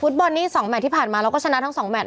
ฟุตบอลนี่๒แมตรที่ผ่านมาเราก็ชนะทั้ง๒แมตรนะ